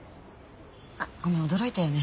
あっごめん驚いたよね。